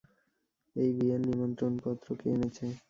এই বিয়ের নিমন্ত্রণপত্র কে এনেছে?